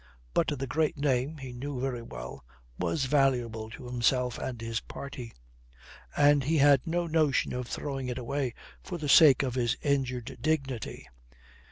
But the great name, he knew very well, was valuable to himself and his party, and he had no notion of throwing it away for the sake of his injured dignity.